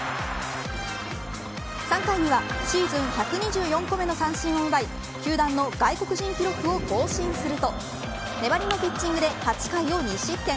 ３回にはシーズン１２４個目の三振を奪い球団の外国人記録を更新すると粘りのピッチングで８回を２失点。